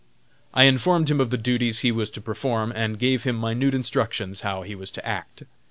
I informed him of the duties he was to perform, and gave him minute instructions how he was to act.